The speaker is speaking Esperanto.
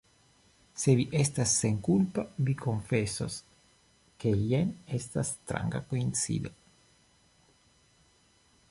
Se vi estas senkulpa, vi konfesos, ke jen estas stranga koincido.